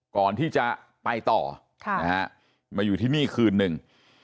ก่อนที่จะไปต่อค่ะนะฮะมาอยู่ที่นี่คืนนึง